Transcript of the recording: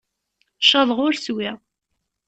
Caḍeɣ ur swiɣ.